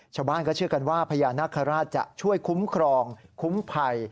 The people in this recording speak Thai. ชาวบ้านก็เชื่อกันว่าพญานาคาราชจะช่วยคุ้มครองคุ้มภัย